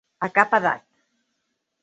A cap edat.